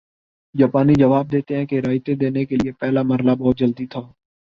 جاپانی جواب دیتے ہیں کہ رعایتیں دینے کے لیے پہلا مرحلہ بہت جلدی تھا